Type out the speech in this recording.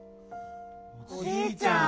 おじいちゃん。